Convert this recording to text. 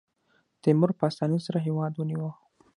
تیمور په اسانۍ سره هېواد ونیو.